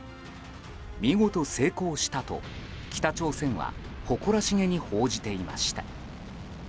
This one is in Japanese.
見事成功したと、北朝鮮は誇らしげに報じていました。